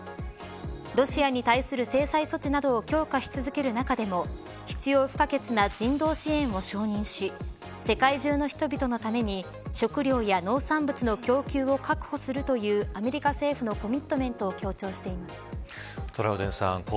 ロシアに対する制裁措置などを強化し続ける中でも必要不可欠な人道支援を承認し世界中の人々のために食料や農産物の供給を確保するというアメリカ政府のコミットメントを強調しています。